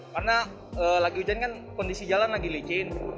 karena lagi hujan kan kondisi jalan lagi licin